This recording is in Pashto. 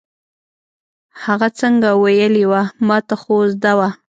هغه څنګه ویلې وه، ما ته خو زده وه.